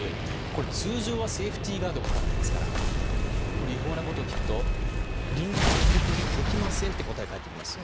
通常はセーフティーガードがかかっていますから違法なことを聞くと倫理的にできませんって答えが返ってきます。